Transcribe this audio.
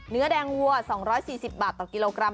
เนื้อแดงวัว๒๔๐บาทต่อกิโลกรัม